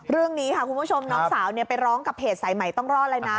เรื่องนี้ค่ะคุณผู้ชมน้องสาวไปร้องกับเพจสายใหม่ต้องรอดเลยนะ